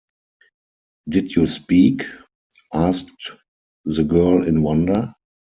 Did you speak? asked the girl, in wonder.